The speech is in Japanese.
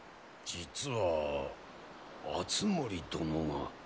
実は敦盛殿が。